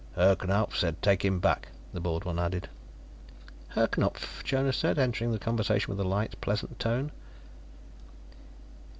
"Herr Knupf said take him back," the bald one added. "Herr Knupf?" Jonas said, entering the conversation with a light, pleasant tone.